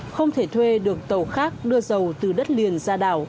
không thể thuê được tàu khác đưa dầu từ đất liền ra đảo